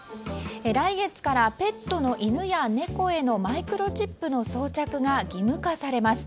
来月からペットの犬や猫へのマイクロチップの装着が義務化されます。